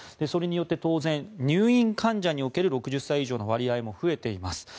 それによって当然入院患者における６０歳以上の割合も増えています。